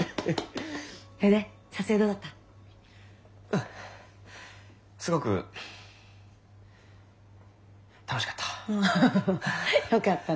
うんすごく楽しかった。